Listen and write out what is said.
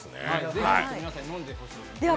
ぜひ皆さんに飲んでほしいです。